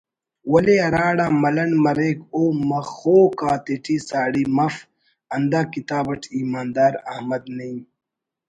ولے ہراڑا ملنڈ مریک او مخوک آتیٹی ساڑی مفک ہندا کتاب اٹ ایماندار احمد نعیم